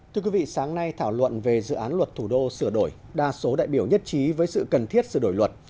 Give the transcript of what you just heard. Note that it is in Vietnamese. thưa quý vị sáng nay thảo luận về dự án luật thủ đô sửa đổi đa số đại biểu nhất trí với sự cần thiết sửa đổi luật